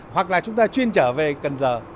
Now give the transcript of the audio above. hoặc là chúng ta chuyên trở về cần giờ